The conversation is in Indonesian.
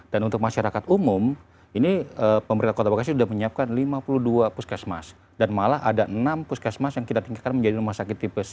dan untuk masyarakat umum ini pemerintah kota bekasi sudah menyiapkan lima puluh dua puskesmas dan malah ada enam puskesmas yang kita tinggalkan menjadi rumah sakit tipe c